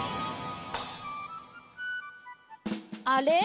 あれ？